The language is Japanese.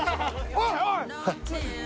はい？